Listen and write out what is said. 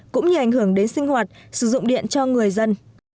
cũng như ảnh hưởng đến sinh hoạt sử dụng điện cho người dân